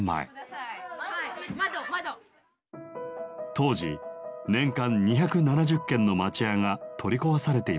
当時年間２７０軒の町家が取り壊されていました。